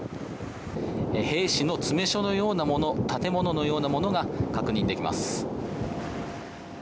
兵士の詰め所のようなもの建物のようなものが確認できます。